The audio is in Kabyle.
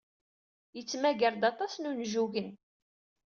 Yettmagar-d aṭas n wunjugen.